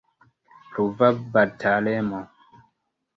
Pruva batalemo.